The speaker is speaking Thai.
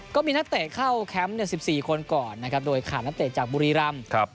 ก็มีนักเตะเข้าแคมป์๑๔คนก่อนนะครับโดยขาดนักเตะจากบุรีรำ